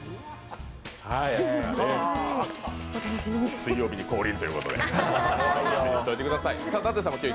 水曜日に降臨ということで、楽しみにしておいてください。